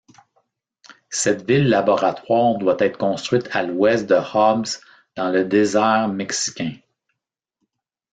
Cette ville-laboratoire doit être construite à l'ouest de Hobbs dans le désert mexicain.